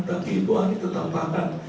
tapi ibu ani tetap tahu